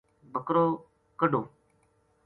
بکرو کڈھہو